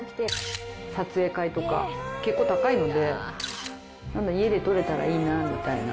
撮影会とか結構高いので、家で撮れたらいいなみたいな。